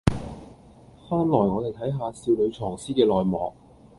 翻來我哋睇下少女藏屍嘅內幕